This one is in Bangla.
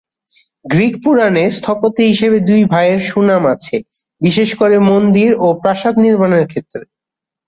গ্রিক পুরাণে স্থপতি হিসেবে দুই ভাইয়ের সুনাম আছে, বিশেষ করে মন্দির ও প্রাসাদ নির্মাণের ক্ষেত্রে।